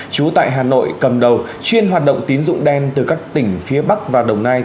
trú tại hà nội cầm đầu chuyên hoạt động tín dụng đen từ các tỉnh phía bắc và đồng nai